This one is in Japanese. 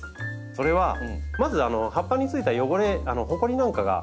それはまず葉っぱについた汚れほこりなんかが落ちます。